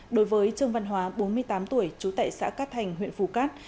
đối với trương văn hóa bốn mươi tám tuổi trú tại xã cát thành huyện phù cát